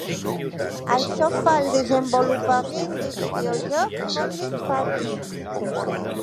Això fa el desenvolupament de videojocs molt més fàcil.